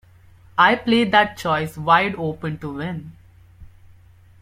I play that choice wide open to win.